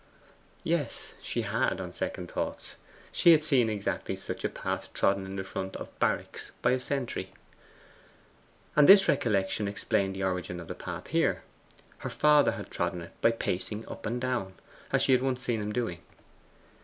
Yes, she had, on second thoughts. She had seen exactly such a path trodden in the front of barracks by the sentry. And this recollection explained the origin of the path here. Her father had trodden it by pacing up and down, as she had once seen him doing.